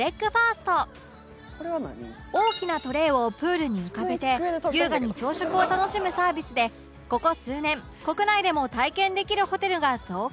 大きなトレーをプールに浮かべて優雅に朝食を楽しむサービスでここ数年国内でも体験できるホテルが増加